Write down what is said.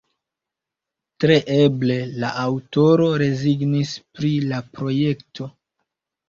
Tre eble, la aŭtoro rezignis pri la projekto.